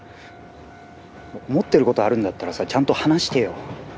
思ってることあるんだったらさちゃんと話してよ。